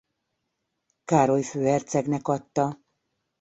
Károly főhercegnek adta.